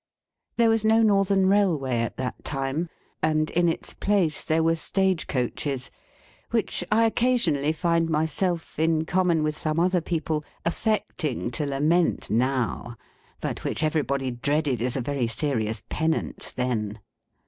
There was no Northern Railway at that time, and in its place there were stage coaches; which I occasionally find myself, in common with some other people, affecting to lament now, but which everybody dreaded as a very serious penance then.